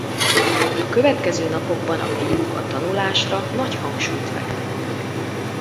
A következő napokban a fiúk a tanulásra nagy hangsúlyt fektettek.